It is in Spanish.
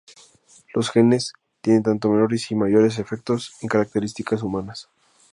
Los genes tienen tanto menores y mayores efectos en características humanas.